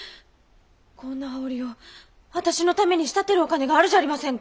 こんな羽織を私のために仕立てるお金があるじゃありませんか。